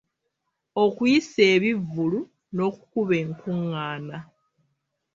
Okuyisa ebivvulu n'okukuba enkung'aana.